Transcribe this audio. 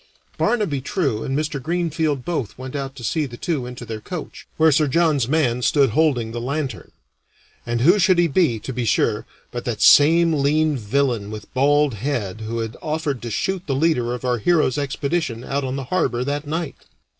Barnaby True and Mr. Greenfield both went out to see the two into their coach, where Sir John's man stood holding the lantern. And who should he be, to be sure, but that same lean villain with bald head who had offered to shoot the leader of our hero's expedition out on the harbor that night!